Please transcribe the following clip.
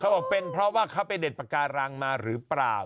บอกเป็นเพราะว่าเขาไปเด็ดปากการังมาหรือเปล่า